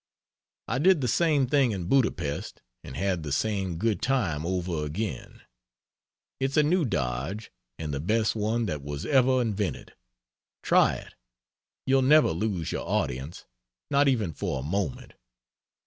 I did the same thing in Budapest and had the same good time over again. It's a new dodge, and the best one that was ever invented. Try it. You'll never lose your audience not even for a moment.